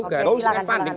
enggak itu ekspresi kepanikan